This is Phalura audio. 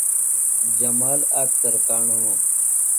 جمال آک ترکاݨ ہِنوۡ۔